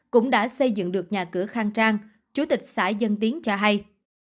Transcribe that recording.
cũng đã xây dựng được nhà cửa khang trang chủ tịch xã dân tiến cho hay